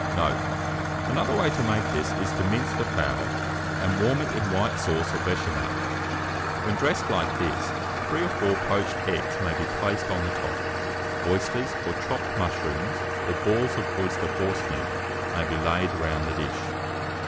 Note. Another way to make this is to mince the fowl, and warm it in white sauce or Béchamel. When dressed like this, 3 or 4 poached eggs may be placed on the top: oysters, or chopped mushrooms, or balls of oyster forcemeat, may be laid round the dish.